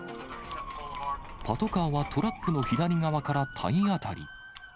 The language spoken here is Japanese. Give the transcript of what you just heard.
パトカーはトラックの左側から体当たり。